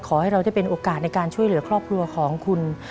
ขอให้เราได้เป็นโอกาสในการช่วยเหลือครอบครัวของคุณ